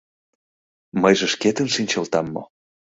Мыйже шкетын шинчылтам мо?